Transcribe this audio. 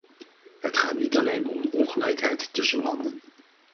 Het gaat niet alleen om ongelijkheid tussen landen.